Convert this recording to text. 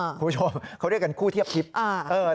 คุณผู้ชมเขาเรียกกันคู่เทียบทิพย์